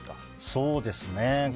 そうですね。